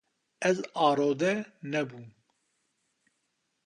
Ez arode nebûm.